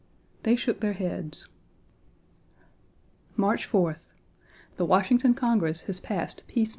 They shook their heads. March 4th. The Washington Congress has passed peace 1.